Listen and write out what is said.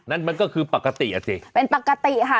นั่นมันก็คือปกติอ่ะสิเป็นปกติค่ะ